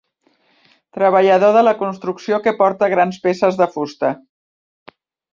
Treballador de la construcció que porta grans peces de fusta